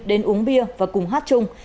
đến uống bia và cùng hát chung